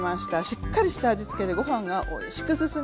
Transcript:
しっかりした味つけでご飯がおいしく進みます。